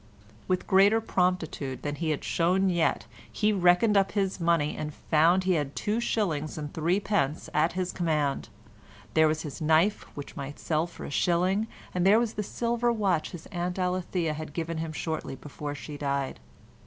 With greater promptitude than he had shown yet, he reckoned up his money and found he had two shillings and threepence at his command; there was his knife which might sell for a shilling, and there was the silver watch his Aunt Alethea had given him shortly before she died.